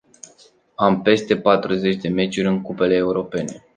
Am peste patruzeci de meciuri în cupele europene.